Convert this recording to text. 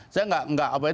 saya nggak tahu